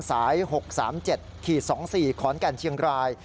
สาย๖๓๗๒๔ขอนแก่นเชียงราย